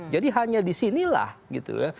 jadi hanya di sinilah gitu ya